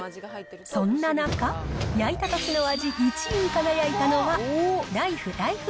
そんな中、焼いたときの味１位に輝いたのは、ライフライフ